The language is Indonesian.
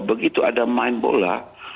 begitu ada main bola